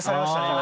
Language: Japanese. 今。